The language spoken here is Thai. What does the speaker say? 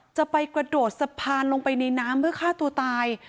จะไปกระโดดสะพานลงไปในน้ำเพื่อฆ่าตัวตาย